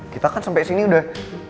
kita kan sampai sini udah